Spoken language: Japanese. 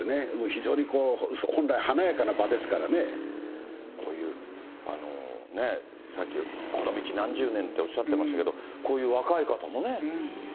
非常にこう、本来、こういうね、さっきこの道何十年っておっしゃってましたけど、こういう若い方もね。